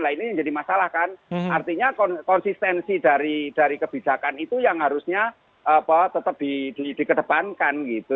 nah ini yang jadi masalah kan artinya konsistensi dari kebijakan itu yang harusnya tetap dikedepankan gitu